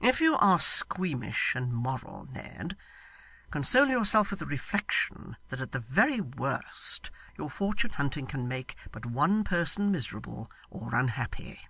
If you are squeamish and moral, Ned, console yourself with the reflection that at the very worst your fortune hunting can make but one person miserable or unhappy.